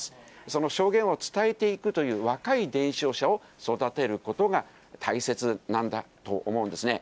その証言を伝えていくという、若い伝承者を育てることが大切なんだと思うんですね。